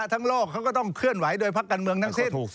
โลกเขาก็ต้องเคลื่อนไหวโดยพักการเมืองทั้งสิ้น